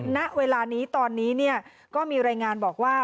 ณเวลานี้ตอนนี้ก็มีรายงานบอกว่า